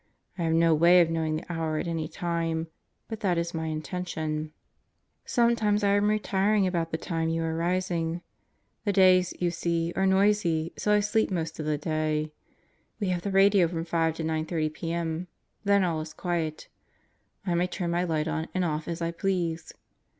I have no way of knowing the hour at any time, but that is my intention. Sometimes I am retiring about the time you are rising. The days, you see, are noisy, so I sleep most of the day. We Solitary Confinement 57 have the radio from S to 9:30 p.m. Then all is quiet. I may turn my light on and off as I please.